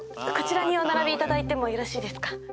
こちらにお並びいただいてもよろしいですか？